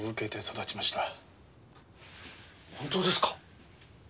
本当ですか？